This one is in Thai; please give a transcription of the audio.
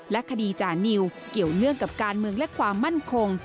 คดีจานิวเกี่ยวเนื่องกับการเมืองและความมั่นคง